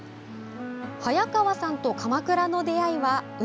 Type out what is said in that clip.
早川さんと鎌倉の出会いは海。